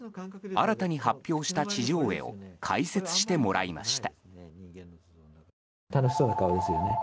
新たに発表した地上絵を解説してもらいました。